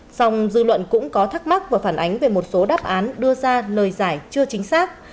song dư luận cũng có thắc mắc và phản ánh về một số đáp án đưa ra lời giải chưa chính xác